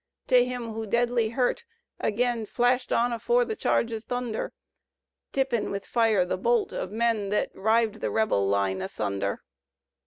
— To him who, deadly hurt, agen Flashed on afore the charge's thunder, Tippin' with fire the bolt of men Thet rived the Bebel line asunder?